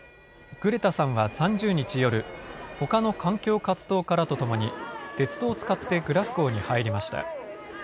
グレタさんは３０日夜、ほかの環境活動家らとともに鉄道を使ってグラスゴーに入りました。